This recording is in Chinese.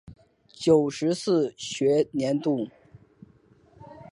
九十四学年度